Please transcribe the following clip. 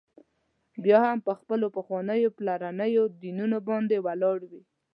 بیا هم پر خپلو پخوانیو پلرنيو دینونو باندي ولاړ وي.